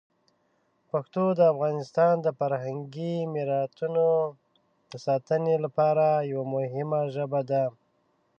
پښتو د افغانستان د فرهنګي میراتونو د ساتنې لپاره یوه مهمه ژبه ده.